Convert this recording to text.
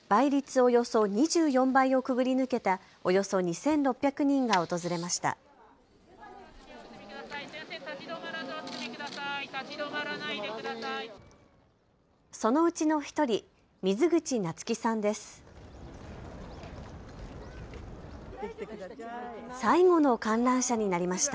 およそ２４倍をくぐり抜けたおよそ２６００人が訪れました。